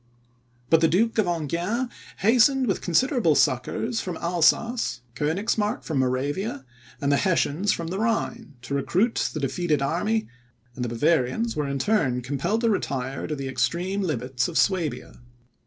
But the Duke of Enghien hastened with considerable succours from Alsace, Koenigsmark from Moravia, and the Hessians from the Rhine, to recruit the defeated army, and the Bavarians were in turn compelled to retire to the extreme limits of Suabia.